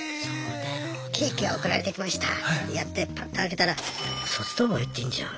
「ケーキが送られてきました」ってやってパッと開けたら札束入ってんじゃん。